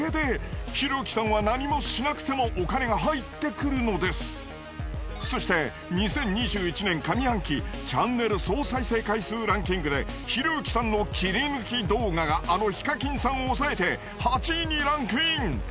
誰かの編集したそして２０２１年上半期チャンネル総再生回数ランキングでひろゆきさんの切り抜き動画があのＨｉｋａｋｉｎさんを抑えて８位にランクイン！